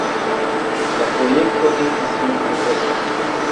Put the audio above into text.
La projekto estis multekosta.